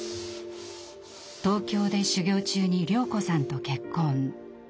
東京で修業中に綾子さんと結婚。